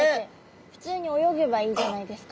普通に泳げばいいんじゃないですか？